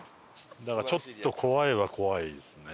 だからちょっと怖いは怖いですね。